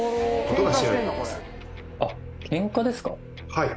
はい。